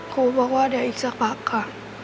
ครูบอกว่าเดี๋ยวอีกสักพักค่ะ